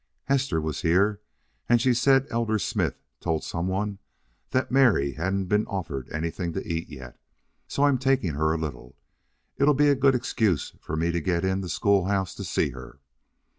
Hester was here and she said Elder Smith told some one that Mary hadn't been offered anything to eat yet. So I'm taking her a little. It'll be a good excuse for me to get in the school house to see her.